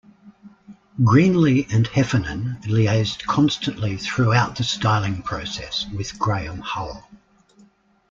Greenley and Heffernan liaised constantly throughout the styling process with Graham Hull.